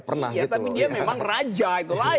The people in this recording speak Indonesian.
tapi dia memang raja itu lain